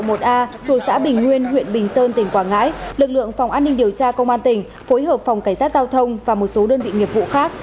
thuộc a thuộc xã bình nguyên huyện bình sơn tỉnh quảng ngãi lực lượng phòng an ninh điều tra công an tỉnh phối hợp phòng cảnh sát giao thông và một số đơn vị nghiệp vụ khác